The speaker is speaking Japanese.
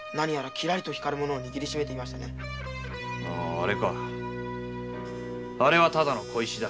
あれかあれはタダの小石だ